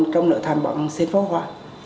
trong nội thành bạn xem pháo hoa